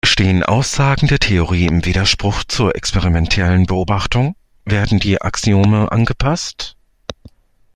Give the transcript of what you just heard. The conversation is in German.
Stehen Aussagen der Theorie im Widerspruch zur experimentellen Beobachtung, werden die Axiome angepasst.